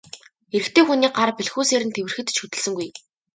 Эрэгтэй хүний гар бэлхүүсээр нь тэврэхэд ч хөдөлсөнгүй.